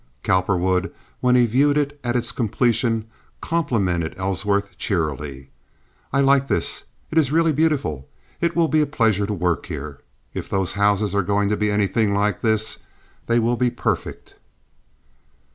Cowperwood, when he viewed it at its completion, complimented Ellsworth cheerily. "I like this. It is really beautiful. It will be a pleasure to work here. If those houses are going to be anything like this, they will be perfect."